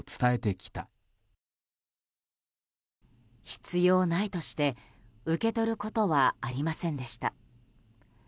必要ないとして受け取ることはありませんでした。